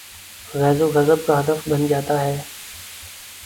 غیظ و غضب کا ہدف بن جا تا ہے۔